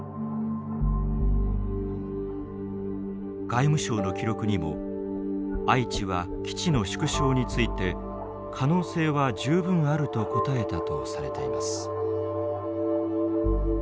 外務省の記録にも愛知は基地の縮小について可能性は十分あると答えたとされています。